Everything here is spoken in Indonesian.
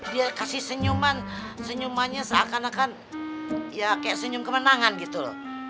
dia kasih senyuman senyumannya seakan akan ya kayak senyum kemenangan gitu loh